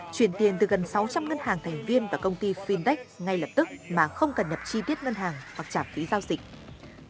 chuyển tiền từ gần sáu trăm linh ngân hàng thành viên và công ty fintech ngay lập tức mà không cần nhập chi tiết ngân hàng hoặc trả phí giao dịch